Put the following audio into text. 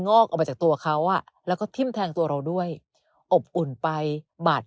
อกออกมาจากตัวเขาอ่ะแล้วก็ทิ้มแทงตัวเราด้วยอบอุ่นไปบาด